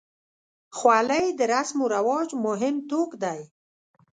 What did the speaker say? خولۍ د رسم و رواج مهم توک دی.